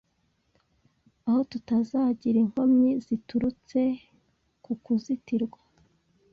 aho tutazagira inkomyi ziturutse ku kuzitirwa